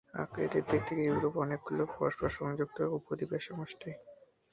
আকৃতির দিক থেকে ইউরোপ অনেকগুলি পরস্পর সংযুক্ত উপদ্বীপের সমষ্টি।